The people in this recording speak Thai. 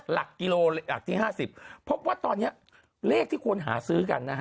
หลักกิโลหลักที่๕๐ตอนนี้เลขที่ควรหาซื้อกัน